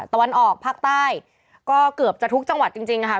ตะวันออกผู้ต้นกาแขก็เกือบทุกจังหวัดนะคะ